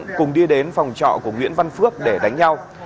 đối tượng cùng đi đến phòng trọ của nguyễn văn phước để đánh nhau